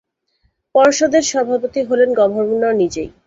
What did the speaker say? পর্ষদের সভাপতি হলেন গভর্নর নিজেই।